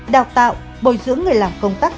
sáu đào tạo bồi dưỡng người làm công tác